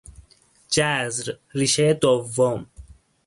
جذر، ریشهی دوم